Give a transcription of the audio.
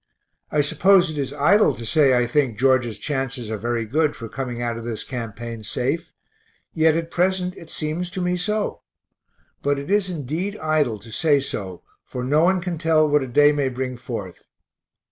I suppose it is idle to say I think George's chances are very good for coming out of this campaign safe, yet at present it seems to me so but it is indeed idle to say so, for no one can tell what a day may bring forth.